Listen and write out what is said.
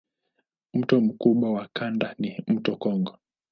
Mto mkubwa wa kanda ni mto Kongo.